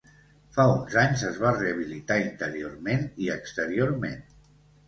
Fa uns anys es va rehabilitar interiorment i exteriorment.